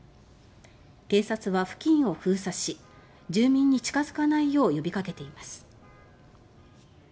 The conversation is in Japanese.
警察は付近を封鎖し住民に近づかないよう呼びかけています。